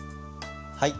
はい。